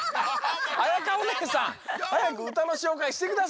あやかおねえさんはやくうたのしょうかいしてください。